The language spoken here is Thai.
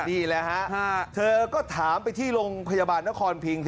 นี่แหละฮะเธอก็ถามไปที่โรงพยาบาลนครพิง